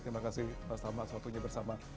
terima kasih pak salma seharusnya bersama